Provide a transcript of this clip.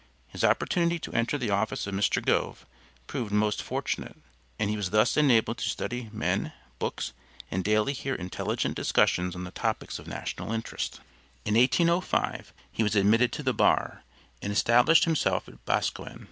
His opportunity to enter the office of Mr. Gove proved most fortunate, as he was thus enabled to study men, books and daily hear intelligent discussions on the topics of national interest. In 1805 he was admitted to the bar, and established himself at Boscawen.